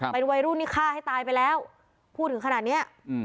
เป็นวัยรุ่นนี่ฆ่าให้ตายไปแล้วพูดถึงขนาดนี้